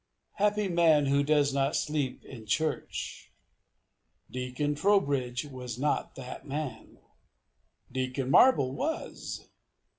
Happy man who does not sleep in church! Deacon Trowbridge was not that man. Deacon Marble was!